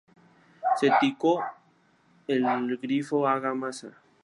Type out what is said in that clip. si toco el grifo, hago masa, que me puede dar calambre